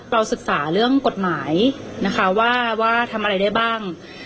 ศึกษาเรื่องกฎหมายนะคะว่าทำอะไรได้บ้าง